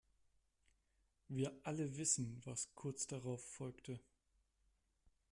Wir alle wissen, was kurz darauf folgte.